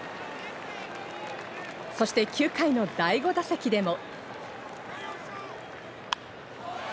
そして９回の第５打席でも。